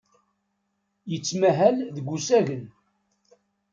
Yettmahal deg usagen.